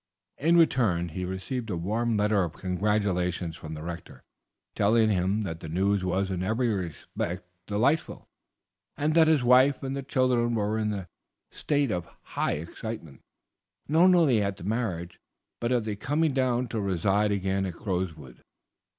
In return he received a warm letter of congratulation from the Rector, telling him that the news was in every respect delightful, and that his wife and the children were in a state of the highest excitement, not only at the marriage, but at their coming down to reside again at Crowswood.